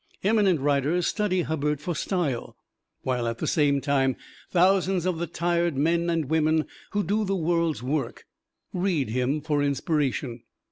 Eminent writers study Hubbard for style, while at the same time thousands of the tired men and women who do the world's work read him for inspiration.